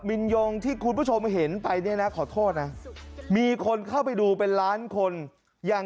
โอเคไหมต่ีมีสัญญา